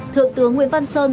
thượng tướng nguyễn văn sơn